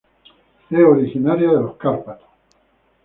Es originaria de los Cárpatos.